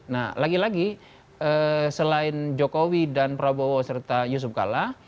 nah lagi lagi selain jokowi dan prabowo serta yusuf kalla